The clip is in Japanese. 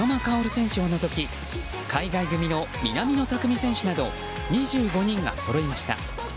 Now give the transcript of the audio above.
薫選手を除き海外組の南野拓実選手など２５人がそろいました。